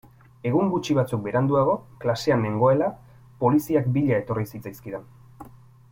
Egun gutxi batzuk beranduago, klasean nengoela, poliziak bila etorri zitzaizkidan.